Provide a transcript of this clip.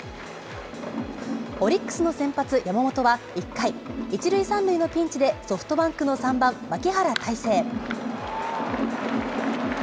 オリックスの先発、山本は１回、１塁３塁のピンチでソフトバンクの３番牧原大成。